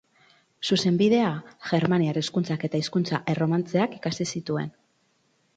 Zuzenbidea, Germaniar Hizkuntzak eta Hizkuntza Erromantzeak ikasi zituen.